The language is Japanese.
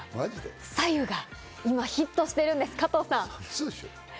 白湯が今、ヒットしているんです、加藤さん。